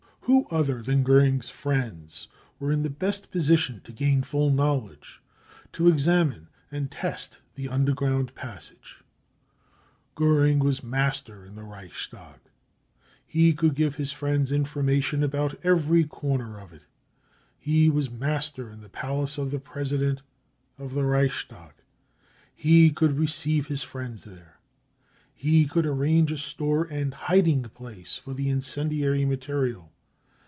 Who other than Goering's friends were in the best position to gain full knowledge, to examine and test the underground passage ? Goering was master in the Reichstag. He could give his friends information about every corner of it. He was master in the palace of the President; of the Reichstag. He could receive his friends there. He could arrange a store and hiding place for the incendiary material.